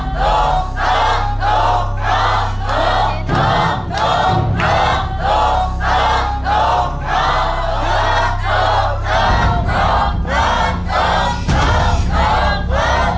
โดรสัตว์โดรสัตว์โดรสัตว์